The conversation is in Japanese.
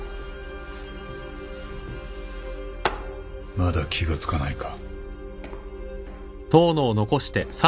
まだ気が付かないか。